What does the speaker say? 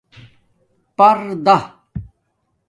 پردا